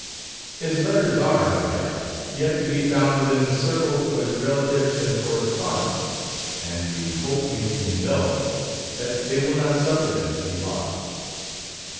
His letters are, no doubt, yet to be found within the circle of his relatives and correspondents, and the hope may beindulged, that they will not suffer them to be lost.